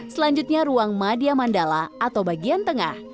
selanjutnya ruang madia mandala atau bagian tengah